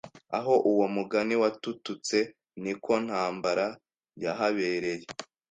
aho uwo mugani watututse niku ntambara yahabereye